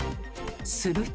すると。